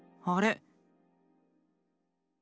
あれ？